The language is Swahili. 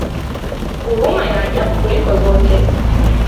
Huruma ya ajabu kuliko zote!